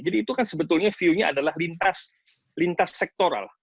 jadi itu kan sebetulnya view nya adalah lintas sektoral